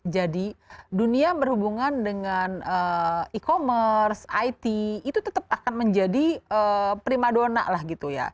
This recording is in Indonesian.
jadi dunia berhubungan dengan e commerce it itu tetap akan menjadi prima dona lah gitu ya